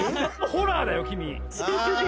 ホラーだよきみ。